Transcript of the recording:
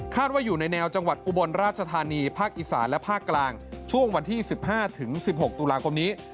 ว่าอยู่ในแนวจังหวัดอุบลราชธานีภาคอีสานและภาคกลางช่วงวันที่๑๕๑๖ตุลาคมนี้